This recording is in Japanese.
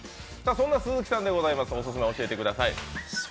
そんな鈴木さんですが、オススメ教えてください。